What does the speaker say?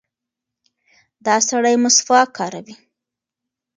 دا سړی مسواک کاروي.